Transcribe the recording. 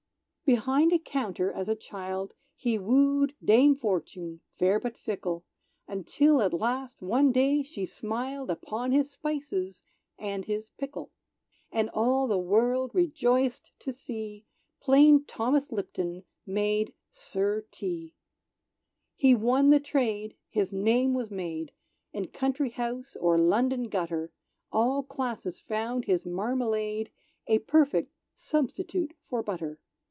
Behind a counter, as a child, He woo'd Dame Fortune, fair but fickle, Until at last one day she smiled Upon his spices and his pickle; And all the world rejoiced to see Plain Thomas Lipton made "Sir Tea." He won the trade, his name was made; In country house or London gutter, All classes found his marmalade A perfect "substitute for butter."